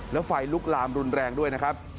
แล้วไฟลุกลามรุนแรงด้วยนะครับ